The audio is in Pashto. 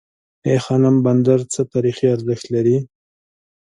ای خانم بندر څه تاریخي ارزښت لري؟